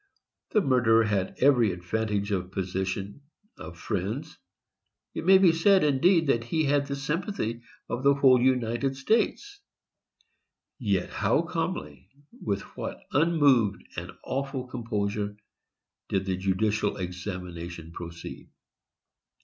The murderer had every advantage of position, of friends; it may be said, indeed, that he had the sympathy of the whole United States; yet how calmly, with what unmoved and awful composure, did the judicial examination proceed!